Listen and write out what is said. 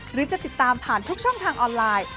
หรือจะติดตามผ่านทุกช่องทางออนไลน์